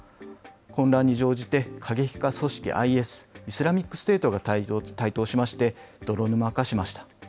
混乱に乗じて、過激派組織ＩＳ・イスラミックステートが台頭しまして、泥沼化しました。